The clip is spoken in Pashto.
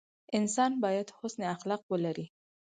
انسان باید حسن اخلاق ولري.